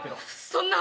そんな！